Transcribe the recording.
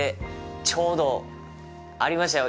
ちょうどありましたよ。